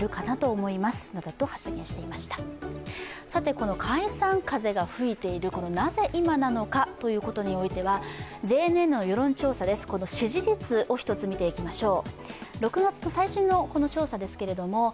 この解散風が吹いているなぜ今なのかということにおいてはＪＮＮの世論調査で支持率を見ていきましょう。